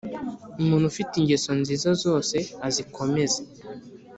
Umuntu ufite ingeso nziza zose azikomeze.